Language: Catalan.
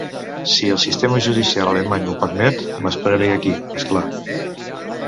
Si el sistema judicial alemany m’ho permet, m’esperaré aquí, és clar.